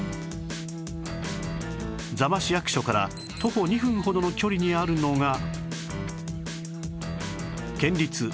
座間市役所から徒歩２分ほどの距離にあるのが